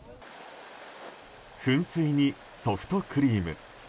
噴水にソフトクリーム。